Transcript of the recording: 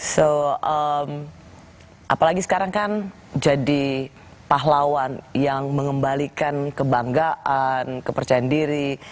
so apalagi sekarang kan jadi pahlawan yang mengembalikan kebanggaan kepercayaan diri